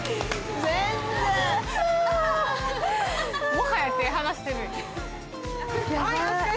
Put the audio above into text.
もはや手離してる。